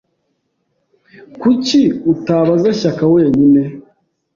Kuki utabaza Shyaka wenyine?